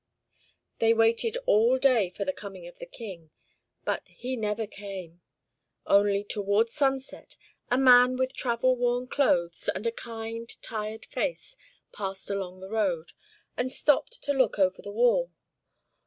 They waited all day for the coming of the King, but he never came; only, towards sunset, a man with travel worn clothes, and a kind, tired face passed along the road, and stopped to look over the wall.